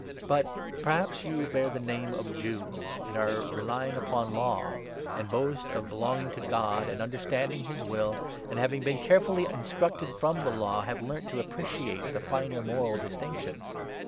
But, perhaps, you bear the name of 'Jew, 'and 17 FaM jewsf "* are relying upon Law, and boast of belonging to to reach this God, and understand his will, and, having been 18 ideal. carefully instructed from the Law, have learnt to appreciate the finer moral distinctions.